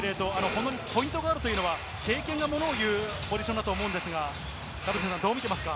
本当にポイントガードというのは経験が物を言うポジションだと思うんですが、田臥さん、どう見ていますか？